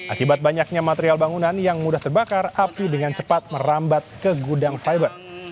akibat banyaknya material bangunan yang mudah terbakar api dengan cepat merambat ke gudang fiber